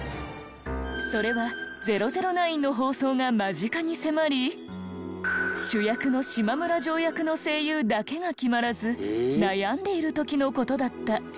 それは『００９』の放送が間近に迫り主役の島村ジョー役の声優だけが決まらず悩んでいる時の事だった。